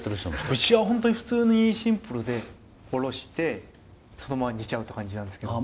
うちは本当に普通にシンプルでおろしてそのまま煮ちゃうって感じなんですけど。